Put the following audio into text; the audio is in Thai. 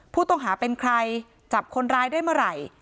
ผู้ต้องหาเป็นใครจับคนร้ายได้เมื่อไหร่